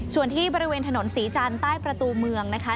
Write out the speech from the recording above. ส่วนที่บริเวณถนนศรีจันทร์ใต้ประตูเมืองนะคะ